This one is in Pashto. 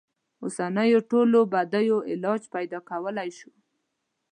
اوسنیو ټولو بدیو علاج پیدا کولای شو.